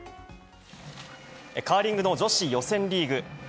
カーリングの女子予選リーグ。